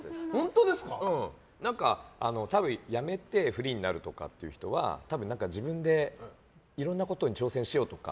辞めてフリーになるって人は自分で、いろんなことに挑戦しようとか。